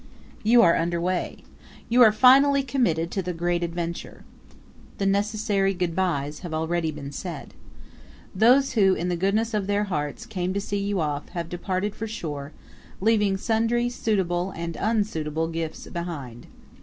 You are under way. You are finally committed to the great adventure. The necessary good bys have already been said. Those who in the goodness of their hearts came to see you off have departed for shore, leaving sundry suitable and unsuitable gifts behind.